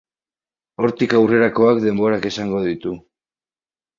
Hortik aurrerakoak, denborak esango ditu.